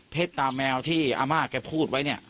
เพชรตาแมวที่อาม่าแกพูดไว้นี่